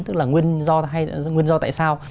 tức là nguyên do hay nguyên do tại sao